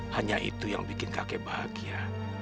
hanya itu yang bikin kakek bahagia